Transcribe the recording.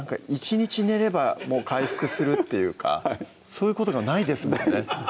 １日寝れば回復するっていうかそういうことがないですもんね